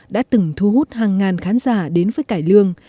đã từng thu hút hàng ngàn khán giả đến với cải lương